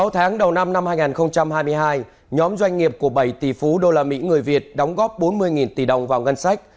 sáu tháng đầu năm hai nghìn hai mươi hai nhóm doanh nghiệp của bảy tỷ phú đô la mỹ người việt đóng góp bốn mươi tỷ đồng vào ngân sách